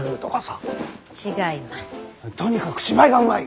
とにかく芝居がうまい！